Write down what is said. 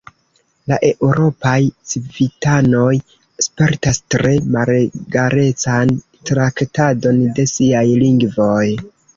La eŭropaj civitanoj spertas tre malegalecan traktadon de siaj lingvoj.